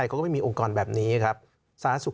ทำไมรัฐต้องเอาเงินภาษีประชาชน